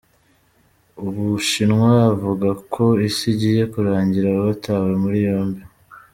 U Bushinwa Abavuga ko isi igiye kurangira batawe muri yombi